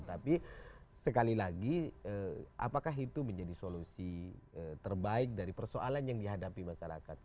tapi sekali lagi apakah itu menjadi solusi terbaik dari persoalan yang dihadapi masyarakat